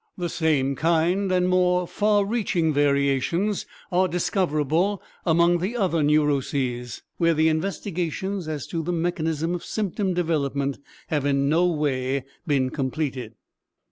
The same kind and more far reaching variations are discoverable among the other neuroses, where the investigations as to the mechanism of symptom development have in no way been completed.